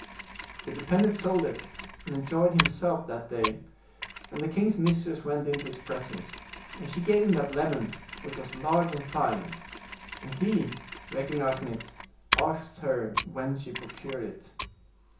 The dependent sold it, and enjoyed himself that day, and the king's mistress went into his presence. And she gave him that lemon, which was large and fin% and he, recognizing it, asked her whence she procured it.